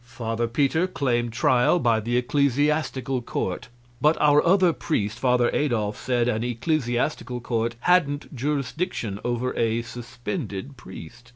Father Peter claimed trial by the ecclesiastical court, but our other priest, Father Adolf, said an ecclesiastical court hadn't jurisdiction over a suspended priest.